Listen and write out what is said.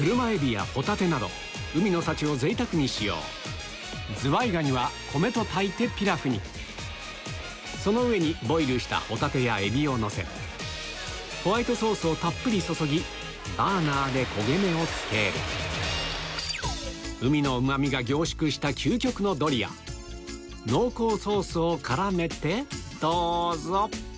海の幸を贅沢に使用ズワイガニは米と炊いてピラフにその上にボイルしたホタテやエビをのせホワイトソースをたっぷり注ぎバーナーで焦げ目をつける海のうま味が凝縮した究極のドリア濃厚ソースを絡めてどうぞ！